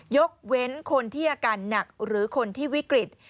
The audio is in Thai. ยกเว้นคนที่อาการหนักหรือคนที่วิกฤต